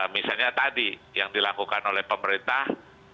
misalnya tadi yang dilakukan oleh pemerintah